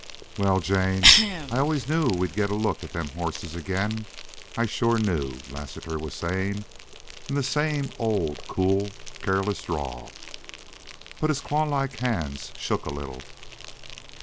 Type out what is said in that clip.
"Wal, Jane, I always knew we'd get a look at them hosses again I shore knew," Lassiter was saying in the same old, cool, careless drawl. But his clawlike hands shook a little.